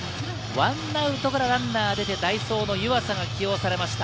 １アウトからランナーが出て、代走の湯浅が起用されました。